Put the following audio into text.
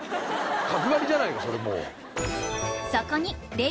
角刈りじゃないかそれもう。